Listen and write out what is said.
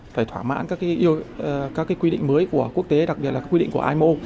phải thỏa mãn các quy định mới của quốc tế đặc biệt là quy định của imo